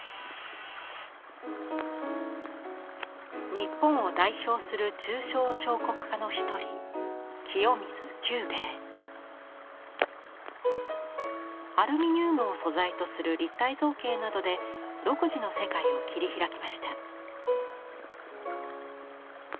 日本を代表する抽象彫刻家の一人アルミニウムを素材とする立体造形などで独自の世界を切り開きました。